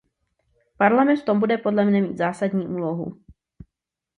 Parlament v tom bude podle mne mít zásadní úlohu.